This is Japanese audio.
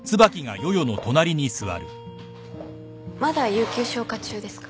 まだ有給消化中ですか？